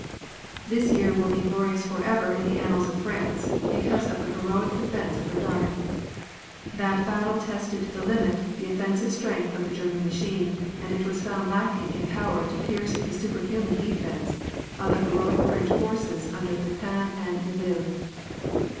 This year will be glorious forever in the annals of France because of the heroic defense at Verdun. That battle tested to the limit the offensive strength of the German machine and it was found lacking in power to pierce the superhuman defense of the heroic French forces under Petain and Nivelle.